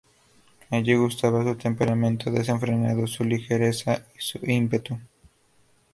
Allí gustaba su temperamento desenfrenado, su ligereza, su ímpetu.